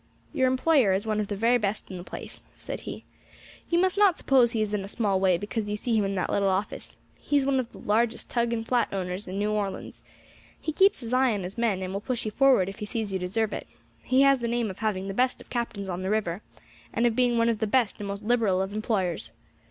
"Your employer is one of the very best in the place," said he. "You must not suppose he is in a small way because you see him in that little office: he is one of the largest tug and flat owners in New Orleans. He keeps his eye on his men, and will push you forward if he sees you deserve it. He has the name of having the best of captains on the river, and of being one of the best and most liberal of employers.